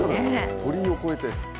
鳥居を越えて。